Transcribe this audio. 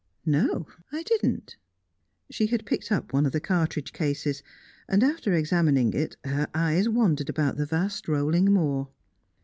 "No, I didn't." She had picked up one of the cartridge cases, and, after examining it, her eyes wandered about the vast rolling moor.